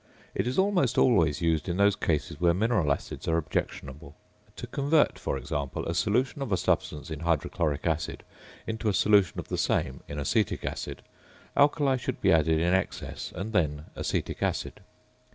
It is almost always used in those cases where mineral acids are objectionable. To convert, for example, a solution of a substance in hydrochloric acid into a solution of the same in acetic acid, alkali should be added in excess and then acetic acid.